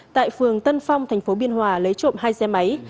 tại phường tân phong thành phố biên hòa lấy trộm hai xe máy